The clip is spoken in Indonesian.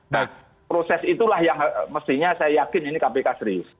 nah proses itulah yang mestinya saya yakin ini kpk serius